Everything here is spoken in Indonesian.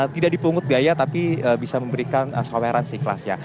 tidak dipungut gaya tapi bisa memberikan saweran siklasnya